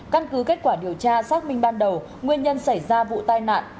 căn cứ kết quả điều tra xác minh ban đầu nguyên nhân xảy ra vụ tai nạn